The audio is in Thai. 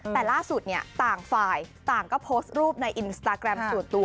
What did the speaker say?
แต่ล่าสุดต่างฝ่ายต่างก็โพสต์รูปในอินสตาแกรมส่วนตัว